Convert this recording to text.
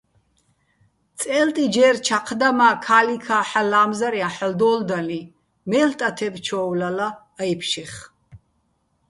წე́ლტი ჯერ ჩაჴ და, მა́ ქა́ლიქა́ ჰ̦ალო̆ ლა́მზარჲაჼ ჰ̦ალო̆ დო́ლდალიჼ, მელ' ტათებ ჩო́ვლალა აჲფშეხ.